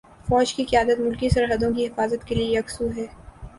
فوج کی قیادت ملکی سرحدوں کی حفاظت کے لیے یکسو ہے۔